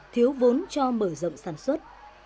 thiếu vốn cho mở rộng sản xuất